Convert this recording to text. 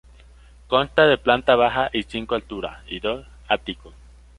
Consta de planta baja y cinco alturas y dos áticos.